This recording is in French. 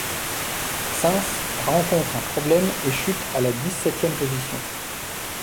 Sainz rencontre un problème et chute à la dix-septième position.